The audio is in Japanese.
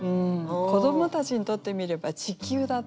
子どもたちにとってみれば「ちきゅう」だった。